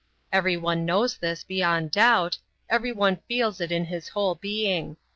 Everyone knows this, beyond doubt; everyone feels it in his whole being.